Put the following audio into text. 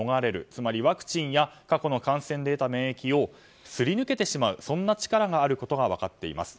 つまり、ワクチンや過去の感染で得た免疫をすり抜けてしまう力があることが分かっています。